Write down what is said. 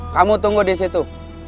kamu tunggu di situ